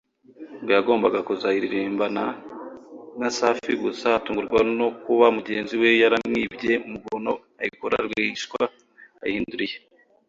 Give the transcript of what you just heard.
ngo yagombaga kuzayiririmbana na Safi gusa atungurwa no kuba mugenzi we yaramwibye umugono ayikora rwihishwa ayihindura iye